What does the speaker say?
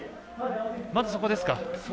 まずそこですか。